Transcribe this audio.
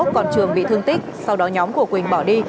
còn trường bị thương tích sau đó nhóm của quỳnh bỏ đi